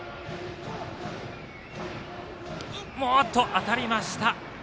当たりました。